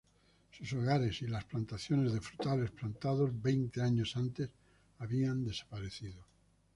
Sus hogares y las plantaciones de frutales plantados veinte años antes habían desaparecido.